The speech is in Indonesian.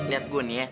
lihat gua nih ya